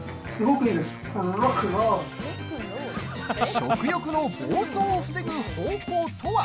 食欲の暴走を防ぐ方法とは？